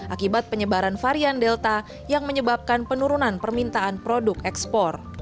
akibat penyebaran varian delta yang menyebabkan penurunan permintaan produk ekspor